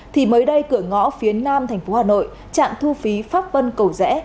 thì mới đây cửa ngõ phía nam thành phố hà nội trạng thu phí pháp vân cẩu rẽ